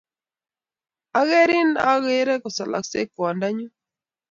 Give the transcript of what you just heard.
Akerin akere kosalakseiy ng'wendunyu.